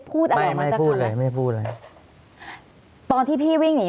พูดอะไรไม่ได้พูดอะไรไม่ได้พูดอะไรตอนที่พี่วิ่งหนี